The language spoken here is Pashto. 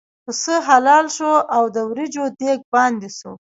پسه حلال شو او د وریجو دېګ باندې شو.